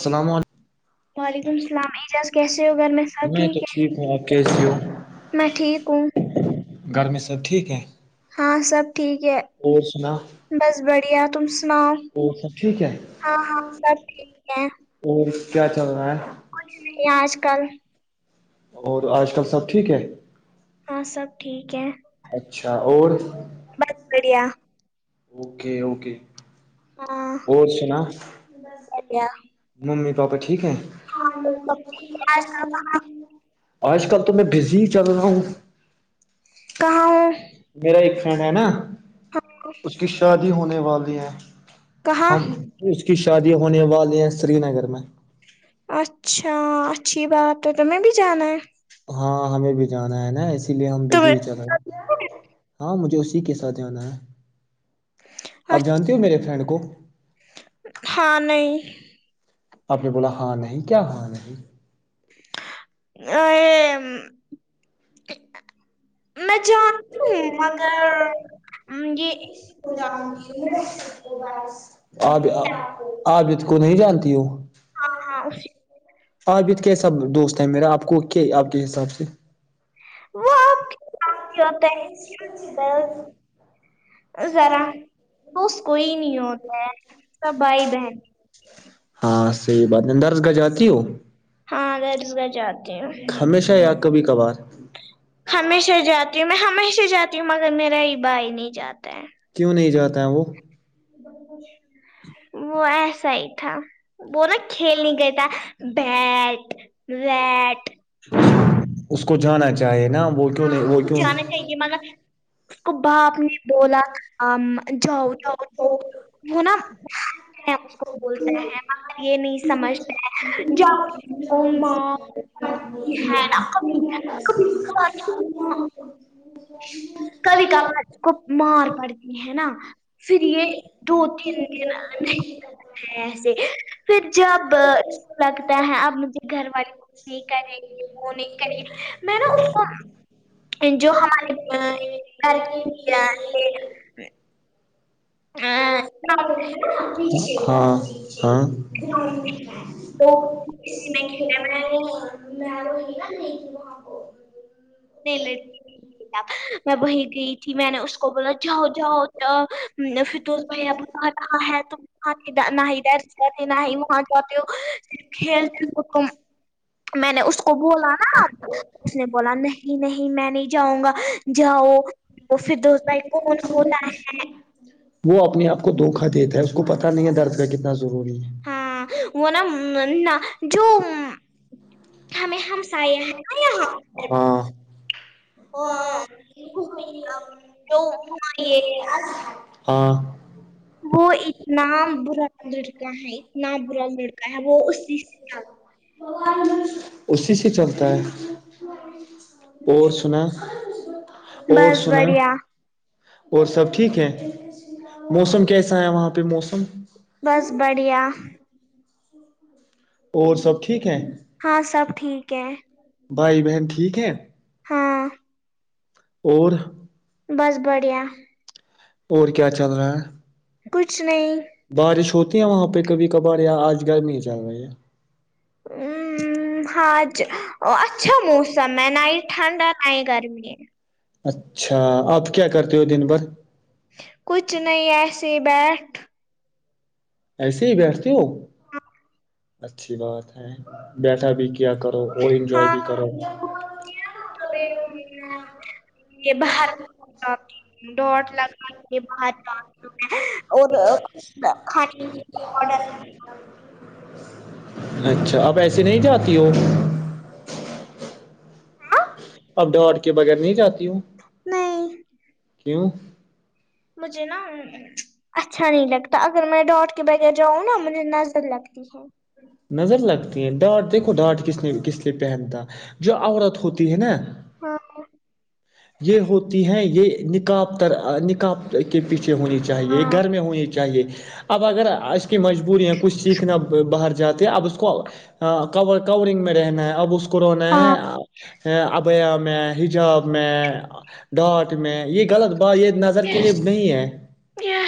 السلام علیکم وعلیکم السلام اعجاز کیسے ہو گھر سب میں تو ٹھیک ہوں آپ کیسی ہو ہے میں ٹھیک ہوں گھر میں سب ٹھیک ہے ہاں سب ٹھیک ہے اور سنا بس بڑھیا تم سناؤ اور سب ٹھیک ہے ہاں ہاں سب ٹھیک ہے اور کیا چل رہا ہے آج کل اور آج کل سب ٹھیک ہے ہاں سب ٹھیک ہے اچھا اور بس بڑھیا اوکے اوکے ہاں اور سنا بڑھیا ممی پاپا ٹھیک ہے آج کل کہاں آج کل تو میں بزی چل رہا ہوں کہاؤ میرا ایک فرینڈ ہے نا اس کی شادی ہونے والی ہے کہاں ہم اس کی شادی ہونے والے ہیں سری نگر میں اچھا اچھی بات ہے تمہیں بھی جانا ہے ہاں ہمیں بھی جانا ہے نا اسی لیے ہم بزی تمہیں ہی چل رہے ہاں مجھے اسی کے ساتھ جانا ہے آپ اچھ- جانتی ہو میرے فرینڈ کو ہاں نہیں آپ نے بولا ہاں نہیں کیا ہاں نہیں ا یہ میں جانتی ہوں مگر یہ اسی کو ہوں جانتی آپ آپ جت کو نہیں جانتی ہو ہاں آپ ات کی سب دوست ہیں میرا آپ کو کیا آپ کے حساب سے وہ آپ ساتھ ہی ہوتا [inaudible] ذرا تووس کوئی نہیں ہوتا ہے سب بھائی بہن ہاں صحیح بات ندرز گاہ جاتی ہو ہاں گھرس گجات ہمیشہ یا کبھی کبھار ہمیشہ جاتی ہوں میں ہمیشہ جاتی ہوں مگر میرا ہی بھائی نہیں جاتا ہے کیوں نہیں جاتا ہے وہ وسا ہی تھا وہلا کھیل نہیں گئے تھا بیٹ وٹ اس کو جانا چاہے نا وہ کیوں نہیں وہ کیوں جانا چاہیے مگر اس کو باپ بولا جاؤ جاؤ جؤ ہونا بولتا ہے م یہ نہیں سمجھتا ہے جاں ہ ناکب ک آ [unintelligible] کب کب کو مار پڑتی ہے نا [unintelligible] پھر یہ دو تین دن آنے ایسے پھر جب لگتا ہے اب مجھے گھر والے کو نہیں کریں گے وہ نہیں کریں گ میں نا اس کو جو ہمارےھر ہاں ہاں تو [unintelligible] اسی میں کھیتانا میں وہئی نا نہیں تھی وہاں کو ل میں بی گئی تھی میں نے اس کو بولا جاؤ جاؤ جاؤ پھر دوست بھ اب کہا کہا ہے وہاں نہیں ڈ جات نہیں وہاں جات پ کھیلتے میں نے اس کو بولا نا اس نے بولا نہیں نہیں میں نہیں جاؤں گا جاؤ پھر دوستائی کون ہوتا ہے وہ اپنے آپ کو دھوکا دیتا ہے اس کو پتا نہیں ہے درد کا کتنا ضروری ہے ہاں وہ نا جو ہمیں ہم س س ہاں او وہئی تو آئیے ہاں وہ اتنا برا لڑکا ہے اتنا برا لڑکا ہے وہ اسی سے ب اسی سے چلتا ہے اور سنا اور بس سنا بڑھیا اور سب ٹھیک ہے موسم کیسا ہے وہاں پہ موسم بس بڑھیا اور سب ٹھیک ہیں ہاں سب ٹھیک ہے بھائی بہن ٹھیک ہیں ہاں اور بس بڑھیا اور کیا چل رہا کچھ نہیں ہے بارش ہوتی ہے وہاں پہ کبھی کبار یہاں آج گار نہیں جا رہا یہ ہ حج اچھا موسم ہے نائٹ ٹھنڈا [unintelligible] نہیں گرمی ہے اچھا آپ کیا کرتے ہو دن بھر کچھ نہیں ایسے بیٹھ [unintelligible] ایسے ہی بیٹھتی ہ اچھی بات ہے بیٹھا بھی کیا کرو اور انجوائے بھی کرو ا یہ باہر جاتی ہوں ڈٹ لگا کے باہر جی ہوں اور ہ کھانے کا آڈر اچھا اب ایسے نہیں جاتی ہو ہاں اب ڈٹ کے بغیر نہیں جاتی ہوں نہیں کیوں مجھے نا [unintelligible] اچھا نہیں لگتا اگر میں ڈاٹ کے بغیر جاؤں نا مجھے نظر لگتی ہے نظر لگتی ہیں ڈانٹ دیکھو ڈانٹ کس نے کس لیے پہنتا جو عورت ہوتی ہے نا ہاں یہ ہوتی ہیں یہ نکاب تر نکاب کے پیچھے ہونی چاہیے ہاں گھر میں ہونی چاہیے اب اگر مجبوری ہے کچھ سیکھنا باہر جاتے ہیں اب اس کو کور کورنگ میں رہنا ہے اب اس کو کونا ہاں ہے ابیا میں حجاب میں ڈانٹ میں یہ غلط بات یہ نظر کے لیے نہیں ہے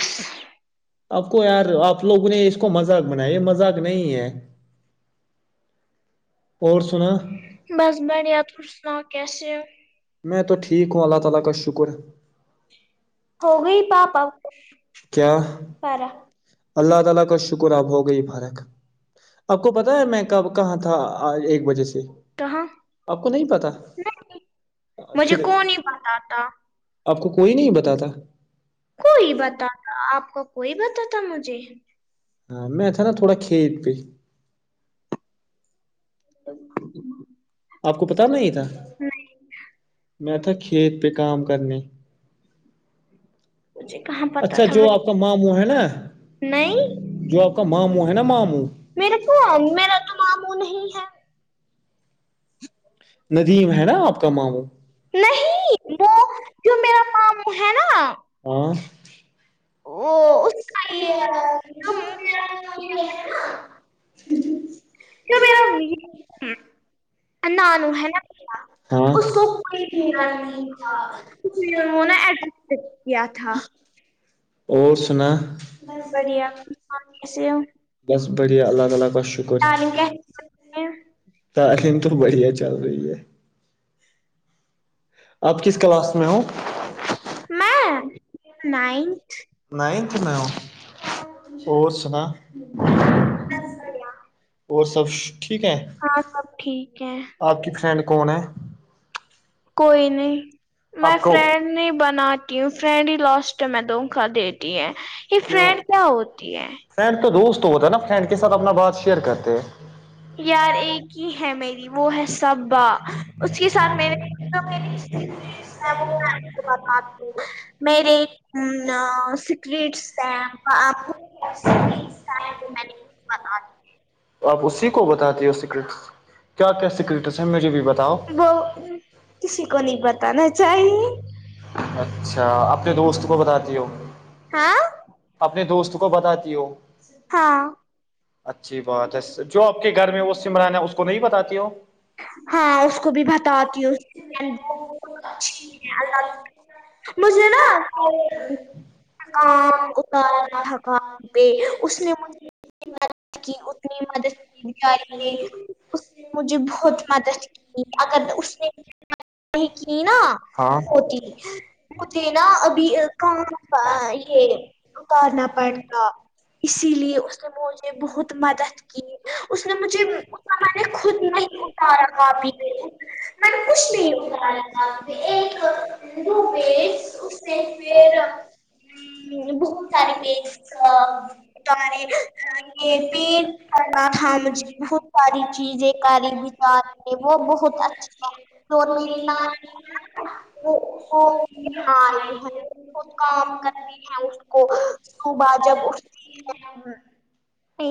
س آپ کو یار آپ لوگوں نے اس کو مذاق بنایا یہ مذاق نہیں ہے اور سنا بس بڑیا ت سنا کیسے ہو میں تو ٹھیک ہوں اللہ تعالی کا شکر ہے ہو گئی پاپا کیا فارغ اللہ تعالی کا شکر اب ہو گئی فارق آپ کو پتاہ ہے میں کب کہاں تھا آج ایک بجے سے کہاں آپ کو نہیں پتا مجھے پھر کون ہی بتاتا آپ کو کوئی نہیں بتاتا کوئی بتا آپ کا کوئی بتا مجھے ہاں میں ا تھ تھا نا تھوڑا کھیت پہ ا آپ کو پت نہیں تھا میں تھا کھیت پہ کام کرنے مجھے کہاں پتا اچھا تھا جو مجھے آپ کا ماموں ہے نا نہیں جو آپ کا ماموں ہے نا ماموں میرے کو میرا تو ماموں نہیں ہے ندیم ہے نا آپ کا ماموں نہیں وہ جو میرا مام ہے نا ہاں وہ کا یہ جو میرا نا تو ما اس کو کوئی نہیں بھیگا نہیں جانتا تھا اس لیے وہ ہ نا ایڈمٹ کیا تھا اور سنا بڑھیا کیسے ہو بس بھیا الگ الگ تعلیم کوشچن کیسے ہے تعلیم تو بڑھیا چل رہی ہے آپ کس کلاس میں ہ میں نائنت نائنت میں اور سنا اور سب ٹھیک ہے ہاں سب ٹھیک ہے آپ کی فرینڈ کون ہے کوئی نہیں میں آپ کو فرنڈ نہیں بناتی ہوں فرینڈلی لاسٹ میں دون کا دیتی ہیں یہ کیوں فرینڈ کیا ہوتی ہے فرینڈ تو دوست ہوتا ہے نا فرینڈ کے ساتھ اپنا بات شیئر کرتے ہیں یار ایک ہی ہے میری وہ ہے سبا اس کے ساتھ م م بوں مے اسٹس ہیں آپ کو ب آپ اسی کو بتاتی ہو سیکرٹس کیا کیا سیکرٹس ہیں مجھے بھی بتاؤ وہ کسی کو نہیں بتانا چاہیے اچھا اپنے دوست کو بتاتی ہو ہاں اپنے دوست کو بتاتی ہو ہاں اچھی بات ہے جو آپ کے گھر میں وہ سمرانا اس کو نہیں بتاتی ہو ہاں اس کو بھی بتاتی ہے ال مجھے نا تھکام اتارا تھکام پہ اس نے مجھ کی اتنی مدد ج رہی ہے مجھے بہت م اگر اس نے کی نا ہاں ہوتی مجھے نا ابھی کہاں یہ کرنا پڑتا اسی لیے اس نے مجھے بہت مدد کی اس نے مجھے نے خود نہیں ہاں اتارا م کاپی ک میں نے کچھ نہیں کر ایک بی اس میں پھر بت بہت سارے پیج کیسس یہ بھی پینٹ کرنا ک تھا مجھے بہت ساری چیزیں کاری م بچار نے وہ بہت د اچھا ہے اور میری لانی نانی [unintelligible] وہ وہ کو [unintelligible] بہت کام کرتی ہیں اس کو صبح جب اٹھتی [unintelligible] [unintelligible]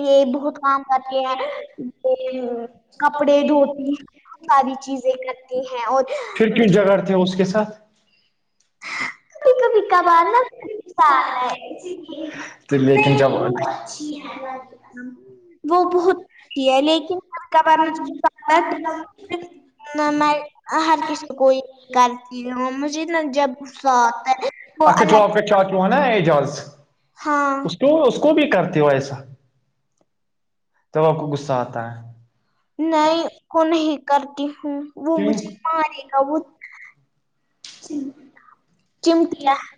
یہ بہت کام کرتے ہیں لیکن [unintelligible] کپڑے دھوتی ہیں ساری چیزیں لگتی ہیں اور [unintelligible] کرتے ہیں اس کےاتھ [unintelligible] سھ [unintelligible] کب ک پ بار س ہے [unintelligible] تو لیکن چلو [unintelligible] وہ بہت اتی ہے لیکن گھر کا بار [unintelligible] [unintelligible] نہ میں ہر کسی کوئی [unintelligible] کرتی ہوں مجھے نا جب غصہ آتا ہے وہ اچھا الگ آپ [unintelligible] کا چاچو جو ہے نا ایجالس ہاں اس کو اس کو بھی کرتے ہو ایسا [unintelligible] تو کو غصہ آتا ہے [unintelligible] نہیں کو نہیں کرتی ہوں وہ کیوں مجھے مارے گا وہ [unintelligible] چم کیا [unintelligible]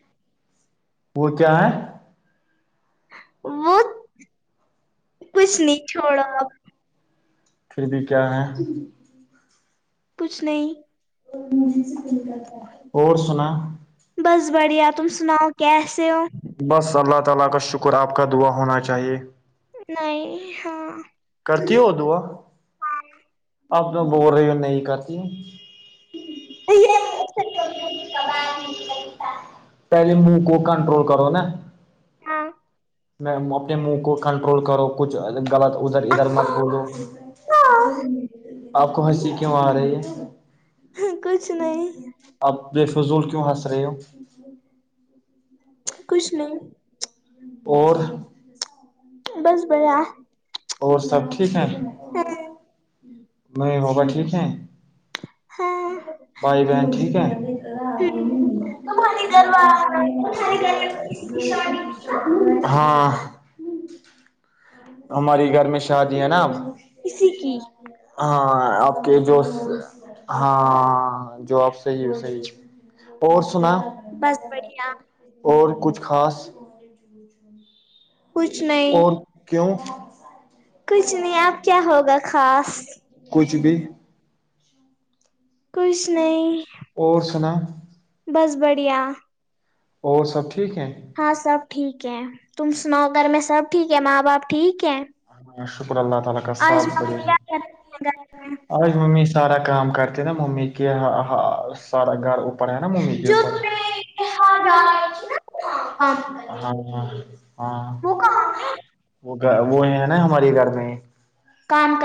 وہ کیا ہے [unintelligible] وہ کچھ نہیں چھوڑا [unintelligible] پھر بھی کیا ہے [unintelligible] کچھ نہیں اور سنا [unintelligible] بس بڑھیا تم سناؤ کیا ایسے ہو [unintelligible] [unintelligible] نہیں ہاں [unintelligible] کرتی ہو دعا اب تو بول رہی ہو نہیں کرتی یہ پہلے منہ کو کنٹرول کرو نا [unintelligible] ہاں [unintelligible] میں اپنے منہ کو کنٹرول کرو [unintelligible] کچھ غلط ادھر ادھر متبود ہو [unintelligible] آپ کو ہنسی کیوں آ رہی ہے [unintelligible] ہ کچھ نہیں [unintelligible] اب بے فضول کیوں حسر ہو کچھ نہیں اور بس بڑیا اور سب ٹھیک ہیں ہاں [unintelligible] نہیں موبا ٹھیک ہے ہ [unintelligible] بھائی بن ٹھیک ہے تمہاری گھر والے ہاں [unintelligible] ہماری گھر میں شادی ہے نا ا کسی کی [unintelligible] ہاں آپ کے جو ہاں جو آپ صحیح ہے صحیح اور سنا بس بڑھیا اور کچھ خاص مار ج ج [unintelligible] کچھ نہیں کیوں کچھ نہیں آب کیا ہوگا خاص کچھ بھی کچھ نہیں اور سنا بس بڑھیا اور سب ٹھیک ہیں ہاں سب ٹھیک ہے تم سناؤ گھر میں سب ٹھیک ہے ماں باپ ٹھیک ہے اللہ تعالی کا آج ساتھ ممی پڑھی کیا کرتی ا ممی سارا کام کرتے نا ممی کے آا سارا گھر پڑیا نا ممی ہیں؟ کے جو اوپر تمہیں پیار کام ہاں ہاں ہاں وہ کہاں ہے وہ گ وہ ہے نا ہمارے گھر میں کام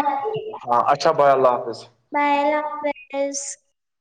ہاں اچھا بھائی اللہ حافظ میں ل بیس